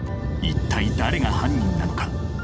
一体誰が犯人なのか。